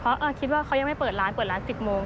เพราะคิดว่าเขายังไม่เปิดร้านเปิดร้าน๑๐โมง